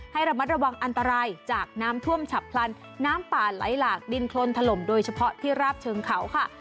ให้ระมัดระวังอันตรายจากน้ำท่วมฉับพลันน้ำป่าไหลหลากดินโครนถล่มโดยเฉพาะที่ราบเชิงเขาค่ะ